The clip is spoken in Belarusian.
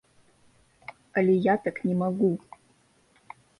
Але я так не магу.